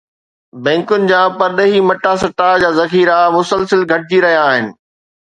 بئنڪن جا پرڏيهي مٽا سٽا جا ذخيرا مسلسل گهٽجي رهيا آهن